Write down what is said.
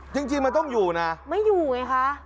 จริงมันต้องอยู่นะไม่อยู่ไงคะ